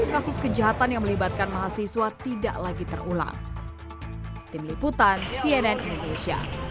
kasus kejahatan yang melibatkan mahasiswa tidak lagi terulang